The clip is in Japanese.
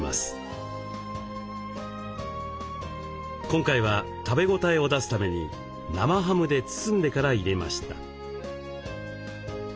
今回は食べ応えを出すために生ハムで包んでから入れました。